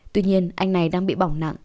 tuy nhiên anh này đang bị bỏng nặng